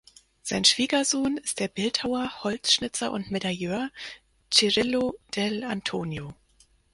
Sein Schwiegersohn ist der Bildhauer, Holzschnitzer und Medailleur Cirillo Dell’Antonio.